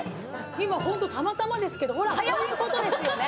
今ホントたまたまですけどこういうことですよね